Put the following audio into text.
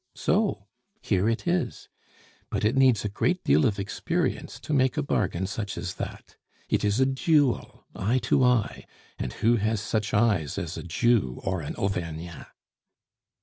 So here it is; but it needs a great deal of experience to make such a bargain as that. It is a duel, eye to eye; and who has such eyes as a Jew or an Auvergnat?"